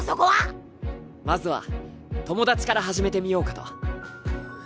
まずは友達から始めてみようかと。